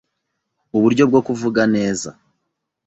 Uburyo bwo kuvuga neza